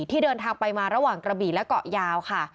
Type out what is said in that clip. ที่เดินทางไปมาระหว่างกระบี่และเกาะยาวค่ะ